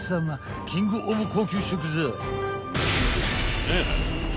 ［キング・オブ・高級食材］